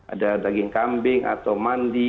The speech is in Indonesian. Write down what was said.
ada daging kambing atau mandi